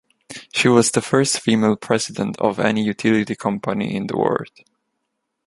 She was the first female president of any utility company in the world.